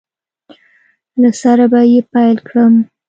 له سره به یې پیل کړم